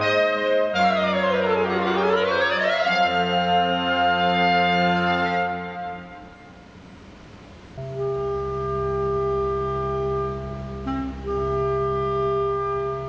สวัสดีครับสวัสดีครับ